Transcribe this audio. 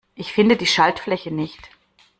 Ich finde die Schaltfläche nicht.